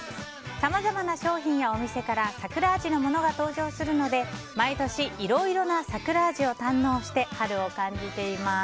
さまざまな商品やお店から桜味のものが登場するので毎年いろいろな桜味を堪能して春を感じています。